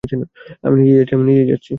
আমি নিজেই যাচ্ছি।